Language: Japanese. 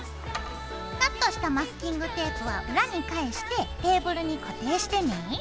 カットしたマスキングテープは裏に返してテーブルに固定してね。